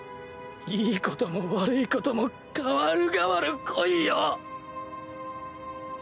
いいことも悪いことも代わる代わる来いよ！